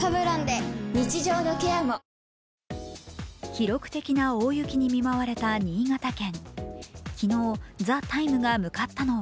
記録的な大雪に見舞われた新潟県。